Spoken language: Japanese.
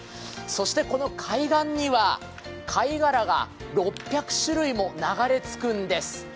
そしてこの海岸には、貝殻が６００種類も流れ着くんです。